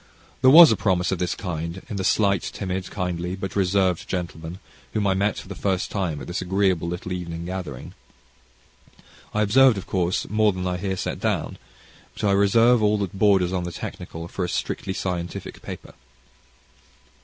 There was a promise of this kind in the slight, timid, kindly, but reserved gentleman, whom I met for the first time at this agreeable little evening gathering. I observed, of course, more than I here set down; but I reserve all that borders on the technical for a strictly scientific paper.